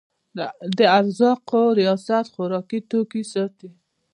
د ارزاقو ریاست خوراکي توکي ساتي